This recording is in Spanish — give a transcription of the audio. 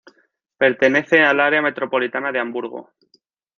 Pertenece al área metropolitana de Hamburgo.